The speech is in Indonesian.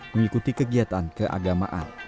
mengikuti kegiatan keagamaan